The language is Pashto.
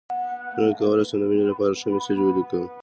څنګه کولی شم د مینې لپاره ښه میسج ولیکم